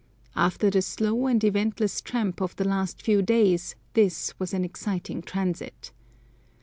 After the slow and eventless tramp of the last few days this was an exciting transit.